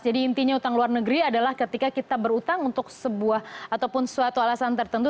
jadi intinya utang luar negeri adalah ketika kita berutang untuk sebuah ataupun suatu alasan tertentu